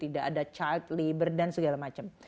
tidak ada child labor dan segala macam